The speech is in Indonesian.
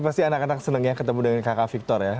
pasti anak anak senang ya ketemu dengan kakak victor ya